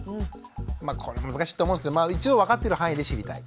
まあこれ難しいと思うんですけど一応分かってる範囲で知りたい。